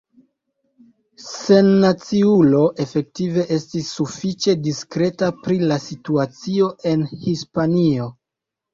Sennaciulo efektive estis sufiĉe diskreta pri la situacio en Hispanio.